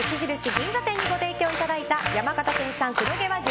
銀座店にご提供いただいた山形県産黒毛和牛